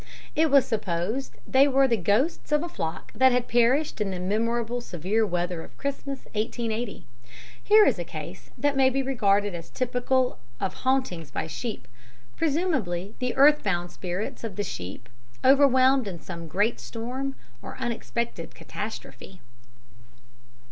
It was supposed they were the ghosts of a flock that had perished in the memorable severe weather of Christmas, 1880. Here is a case that may be regarded as typical of hauntings by sheep, presumably the earth bound spirits of sheep, overwhelmed in some great storm or unexpected catastrophe.